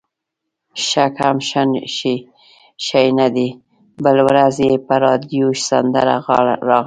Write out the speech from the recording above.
شک هم ښه شی نه دی، بله ورځ یې په راډیو سندره راغله.